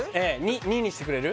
２にしてくれる？